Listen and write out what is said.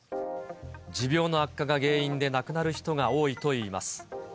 持病の悪化が原因で亡くなる人が多いといいます。